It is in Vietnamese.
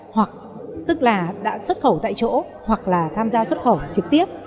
hoặc tức là đã xuất khẩu tại chỗ hoặc là tham gia xuất khẩu trực tiếp